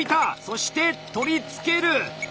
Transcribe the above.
そして取り付ける！